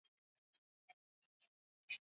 mara baada ya kumaliza kibarua chake na real madrid